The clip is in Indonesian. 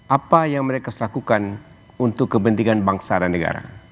apa yang mereka harus lakukan untuk kepentingan bangsa dan negara